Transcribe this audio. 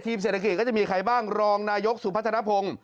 เศรษฐกิจก็จะมีใครบ้างรองนายกสุพัฒนภง